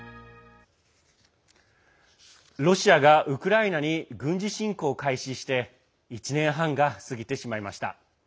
ロシアがウクライナに軍事侵攻を開始して１年半が過ぎてしまいました。